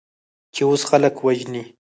چې اوس خلک وژنې؟